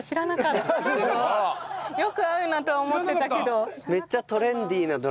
よく会うなとは思ってたけど。